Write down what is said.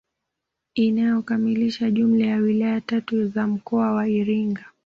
Inayokamilisha jumla ya wilaya tatu za mkoa wa Iringa